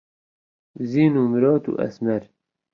زین و مرۆت و ئەسمەر